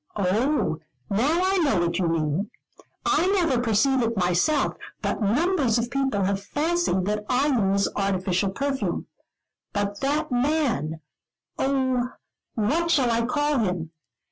"Oh, now I know what you mean. I never perceive it myself, but numbers of people have fancied that I use artificial perfume. But that man oh, what shall I call him?